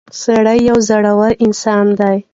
• سړی یو زړور انسان دی.